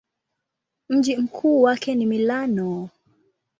Mji mkuu wake ni Milano.